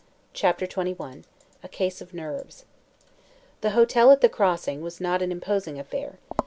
CHAPTER XXI A CASE OF NERVES The "hotel" at the Crossing was not an imposing affair.